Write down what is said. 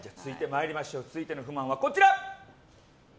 続いての不満はこちら。